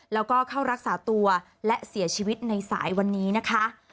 แล้วก็เข้ารักษาตัวและเสียชีวิตในสายวันนี้นะคะ